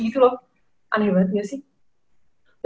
itu loh aneh banget gak sih